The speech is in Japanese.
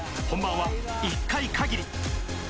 本番は１回限り。